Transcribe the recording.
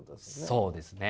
そうですね。